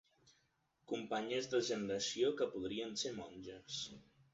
Companyes de generació que podrien ser monges.